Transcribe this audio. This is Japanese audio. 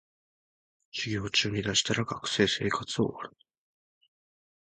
授業中に出したら学生生活終わるナリ